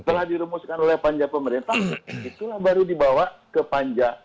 setelah dirumuskan oleh panja pemerintah itulah baru dibawa ke panja